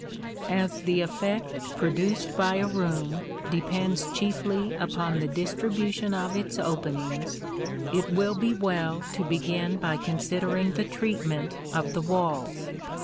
] As the effect produced by a room depends chiefly upon the distribution of its openings, it will be well to begin by considering the treatment of the walls.